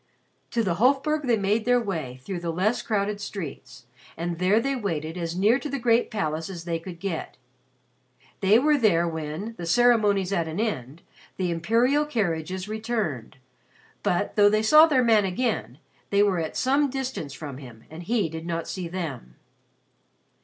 To the Hofburg they made their way through the less crowded streets, and there they waited as near to the great palace as they could get. They were there when, the ceremonies at an end, the imperial carriages returned, but, though they saw their man again, they were at some distance from him and he did not see them.